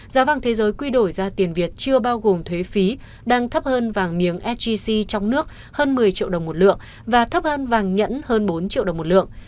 giá vàng thế giới quy đổi ra tiền việt chưa bao gồm thuế phí đang thấp hơn vàng miếng sgc trong nước hơn một mươi triệu đồng một lượng và thấp hơn vàng nhẫn hơn bốn triệu đồng một lượng